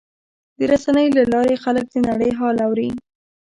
د رسنیو له لارې خلک د نړۍ حال اوري.